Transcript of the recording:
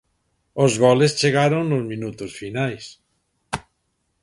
Os goles chegaron nos minutos finais.